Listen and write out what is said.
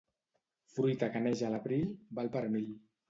Fruita que neix a l'abril val per mil.